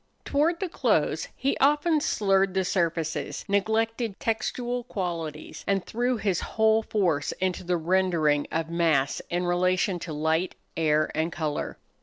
Toward the close he often slurred the surfaces, neglected textual qualities, and threw his whole force into the rendering of mass in relation to light, air, and color.